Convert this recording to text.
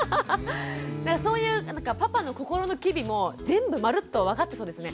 そういうパパの心の機微も全部まるっと分かってそうですね。